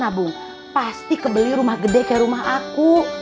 nabung pasti kebeli rumah gede kayak rumah aku